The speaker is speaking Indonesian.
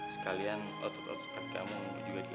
sekalian otot ototkan kamu juga dilatih